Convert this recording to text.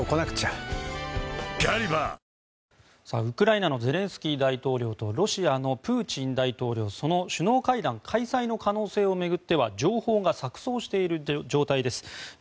ウクライナのゼレンスキー大統領とロシアのプーチン大統領その首脳会談開催の可能性を巡っては情報が錯そうしている状態です。